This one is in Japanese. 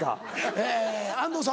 え安藤さん